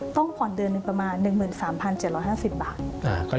ต้องผ่อนเดือนหนึ่งประมาณ๑๓๗๕๐บาท